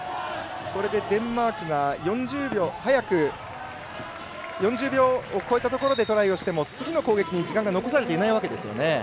これでデンマークが４０秒を超えたところでトライをしても次の攻撃に時間が残されていないわけですね。